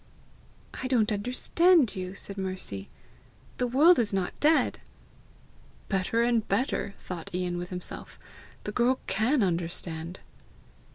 "I don't understand you," said Mercy. "The world is not dead!" "Better and better!" thought Ian with himself. "The girl CAN understand!